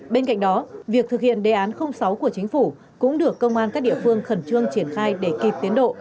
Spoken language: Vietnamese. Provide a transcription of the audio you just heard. bên cạnh đó việc thực hiện đề án sáu của chính phủ cũng được công an các địa phương khẩn trương triển khai để kịp tiến độ